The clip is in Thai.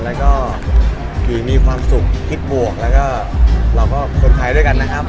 แล้วก็คือมีความสุขคิดบวกแล้วก็เราก็คนไทยด้วยกันนะครับ